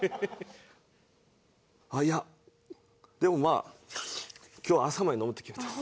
ああいやでもまあ今日は朝まで飲むって決めたし。